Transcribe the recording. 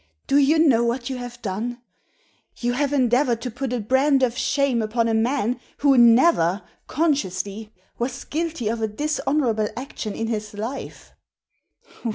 " Do you know what you have done ? You have endeavoured to put a brand of shame upon a man who never, consciously, was guilty of a dis honourable action in his life."